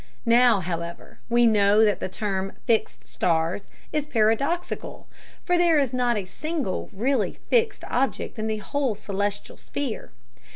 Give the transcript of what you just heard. Now, however, we know that the term "fixed stars" is paradoxical, for there is not a single really fixed object in the whole celestial sphere.